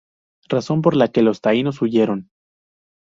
Razón por la que los Taínos huyeron.